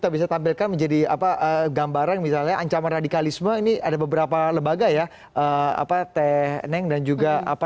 bergambaran misalnya ancaman radikalisme ini ada beberapa lembaga ya apa teh neng dan juga apa